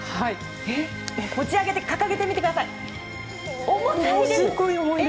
持ち上げて掲げてみてください。